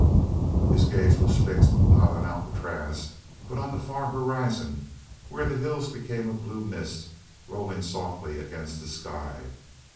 His gaze was fixed not on Alcatraz but on the far horizon where the hills became a blue mist rolling softly against the sky.